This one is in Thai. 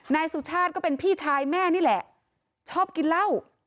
นายสุชาติก็เป็นพี่ชายแม่นี่แหละชอบกินเหล้า